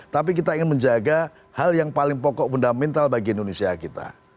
tapi kita ingin menjaga hal yang paling pokok fundamental bagi indonesia kita